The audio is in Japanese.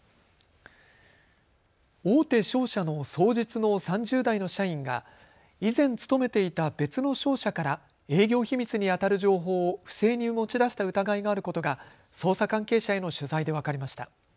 大手商社の双日の３０代の社員が以前勤めていた別の商社から営業秘密にあたる情報を不正に持ち出した疑いがあることが捜査関係者への取材で分かりました。